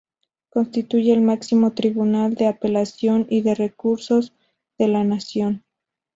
Constituye el máximo tribunal de apelación y de recursos de la Nación.